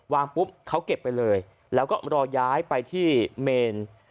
ปุ๊บเขาเก็บไปเลยแล้วก็รอย้ายไปที่เมน